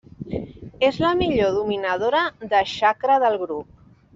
És la millor dominadora de txakra del grup.